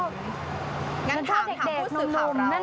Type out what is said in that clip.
งั้นถามผู้สื่อข่าวเรา